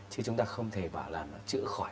chứ chúng ta không thể bảo là nó chữa khỏi